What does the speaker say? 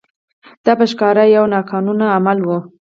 دا په ښکاره یو ناقانونه عمل و.